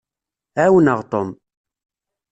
Ɛawneɣ Tom.